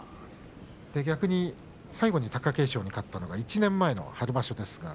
最後、貴景勝に勝ったのは１年前の春場所です。